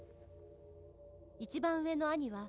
「一番上の兄は」